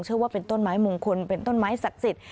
เชื่อว่าเป็นต้นไม้มงคลเป็นต้นไม้ศักดิ์สิทธิ